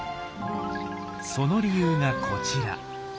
その理由がこちら。